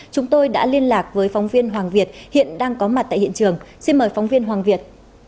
chúng tôi đã liên lạc với phóng viên hoàng việt hiện đang có mặt tại hiện trường xin mời phóng viên hoàng việt